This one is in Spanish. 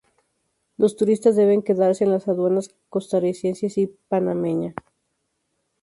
Los turistas deben quedarse en las aduanas costarricense y panameña.